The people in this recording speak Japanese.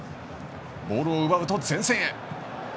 ボールを奪うと前線へ。